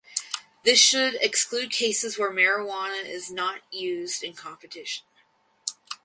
This should exclude cases where marijuana is not used in competition.